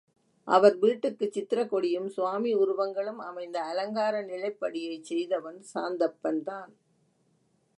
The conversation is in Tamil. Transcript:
அவர் வீட்டுக்குச் சித்திரக்கொடியும், சுவாமி உருவங்களும் அமைந்த அலங்கார நிலைப்படியைச் செய்தவன் சாந்தப்பன்தான்.